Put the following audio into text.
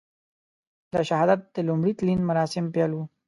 د شهادت د لومړي تلین مراسم پیل وو.